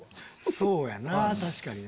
そうやな確かにな。